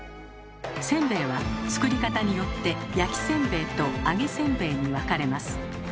せんべいは作り方によって焼きせんべいと揚げせんべいに分かれます。